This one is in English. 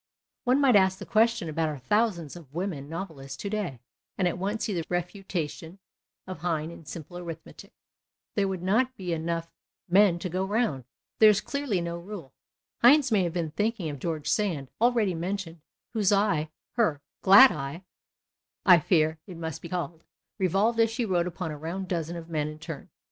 One might ask the question about our thousands of women novelists to day, and at once see the refutation of Heine in simple arithmetic ; there would not be enough men to go round. There is clearly no rule. Heine may have been thinking of George Sand, already mentioned, whose eye — her " glad eye," I fear it must be called — revolved as she wrote upon a round dozen of men in turn.